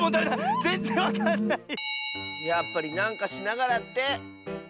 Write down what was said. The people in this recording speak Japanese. やっぱりなんかしながらって。